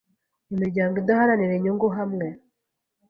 imiryango idaharanira inyungu hamwe